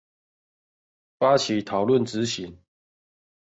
發起討論執行